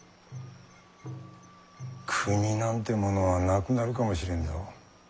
国なんてものはなくなるかもしれんぞ。